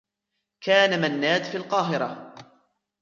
كان منّاد في القاهرة.